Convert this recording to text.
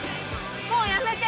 もうやめて！